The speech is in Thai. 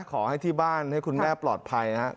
ขอให้ที่บ้านให้คุณแม่ปลอดภัยนะครับ